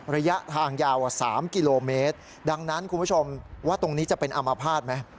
ระยะทางยาวกว่า๓กิโลเมตรดังนั้นคุณผู้ชมว่าตรงนี้จะเป็นอามภาษณ์ไหม